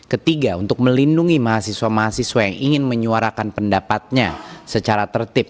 ketiga untuk melindungi mahasiswa mahasiswa yang ingin menyuarakan pendapatnya secara tertib